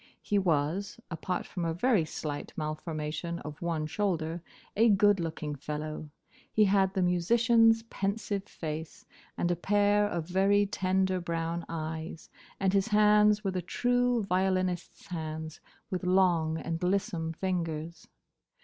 He was—apart from a very slight malformation of one shoulder—a good looking fellow. He had the musician's pensive face, and a pair of very tender brown eyes, and his hands were the true violinist's hands, with long and lissome fingers.